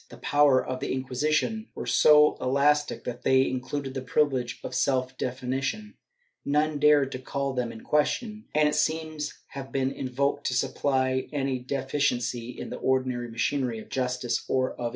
"^ The powers of the Inquisition were so elastic that they included the privilege of self definition; none dared to call them in question, and it seems have been invoked to supply any defi ciency in the ordinary machinery of justice — or of injustice.